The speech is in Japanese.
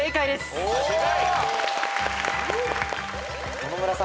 野々村さん